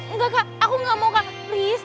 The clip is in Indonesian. enggak kak aku gak mau kak please